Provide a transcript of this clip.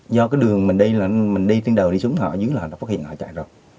do cái đường mình đi là mình đi trên đầu đi xuống họ dưới là họ đã phát hiện họ chạy rồi